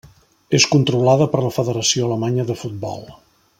És controlada per la Federació Alemanya de Futbol.